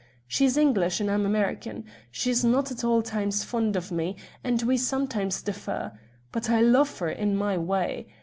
She's English, and I'm American. She's not at all times fond of me, and we sometimes differ; but I love her, in my way.